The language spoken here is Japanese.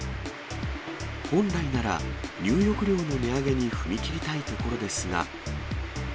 本来なら入浴料の値上げに踏み切りたいところですが。